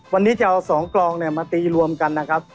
วันนี้จะเอา๒กลองมาตีรวมกันนะครับ